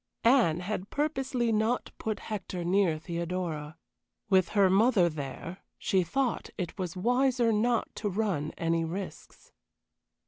Anne had purposely not put Hector near Theodora; with her mother there she thought it was wiser not to run any risks.